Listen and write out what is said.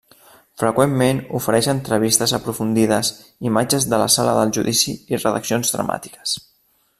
Freqüentment, ofereix entrevistes aprofundides, imatges de la sala del judici i redaccions dramàtiques.